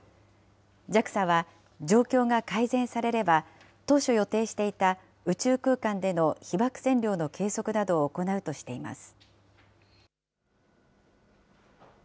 ＪＡＸＡは状況が改善されれば、当初予定していた宇宙空間での被ばく線量の計測などを行うとしています。